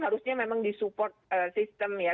harusnya memang di support sistem ya